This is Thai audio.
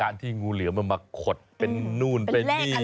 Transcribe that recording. การที่งูเหลี่ยมมาขดเป็นนู่นเป็นนี่